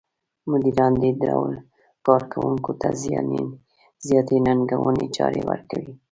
مديران دې ډول کار کوونکو ته زیاتې ننګوونکې چارې ورکوي.